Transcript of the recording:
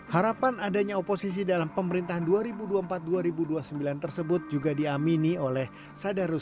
harapan adanya oposisi dalam pemerintahan dua ribu dua puluh empat dua ribu dua puluh sembilan tersebut juga diamini oleh sadarusti